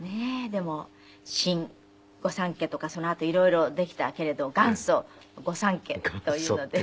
でも新御三家とかそのあと色々できたけれど元祖御三家というので。